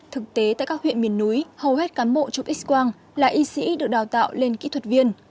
thực tế tại các huyện miền núi hầu hết cán bộ chụp x quang là y sĩ được đào tạo lên kỹ thuật viên